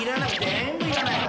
全部いらない。